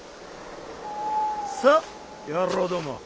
さあ野郎ども。